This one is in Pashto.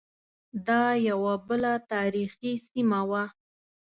دا یوه بله تاریخی سیمه وه.